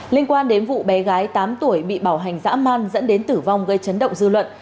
liên quan đến vụ bé gái tám tuổi bị bảo hành dã man dẫn đến tử vong gây chấn động dư luận